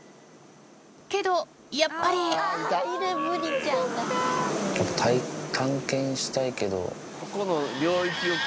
けどやっぱりやっぱ探検したいけど。